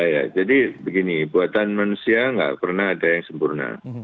ya jadi begini buatan manusia nggak pernah ada yang sempurna